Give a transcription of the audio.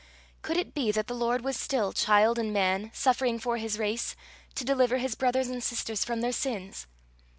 Could it be that the Lord was still, child and man, suffering for his race, to deliver his brothers and sisters from their sins?